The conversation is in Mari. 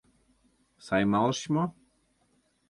Сай малышыч мо?